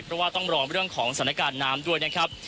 เพราะว่าต้องรอเรื่องของสถานการณ์น้ำด้วยนะครับ